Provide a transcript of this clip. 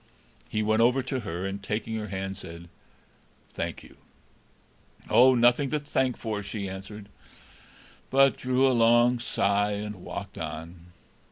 He went over to her, and, taking her hand, said: "Thank you!" "Oh, nothing to thank for!" she answered, but drew a long sigh, and walked on.